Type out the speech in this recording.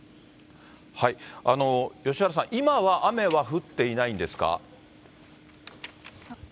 吉原さん、今は雨は降っていないんですか。